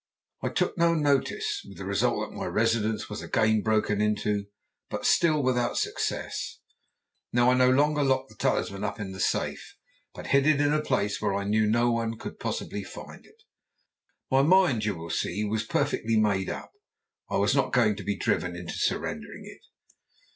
I took no notice, with the result that my residence was again broken into, but still without success. Now I no longer locked the talisman up in the safe, but hid it in a place where I knew no one could possibly find it. My mind, you will see, was perfectly made up; I was not going to be driven into surrendering it.